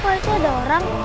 kok itu ada orang